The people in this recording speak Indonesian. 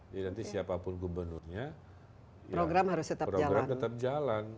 jadi nanti siapapun gubernurnya program tetap jalan